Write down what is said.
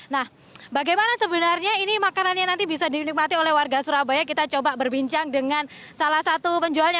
nah bagaimana sebenarnya ini makanan yang nanti bisa dinikmati oleh warga surabaya kita coba berbincang dengan salah satu penjualnya